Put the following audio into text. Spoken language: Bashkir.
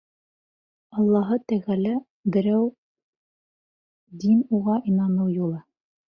Аллаһы Тәғәлә — берәү, дин — уға инаныу юлы.